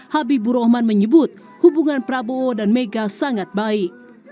habibur rahman menyebut hubungan prabowo dan mega sangat baik